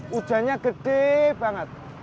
hujannya gede banget